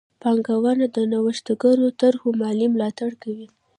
بانکونه د نوښتګرو طرحو مالي ملاتړ کوي.